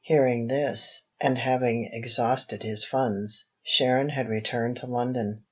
Hearing this, and having exhausted his funds, Sharon had returned to London.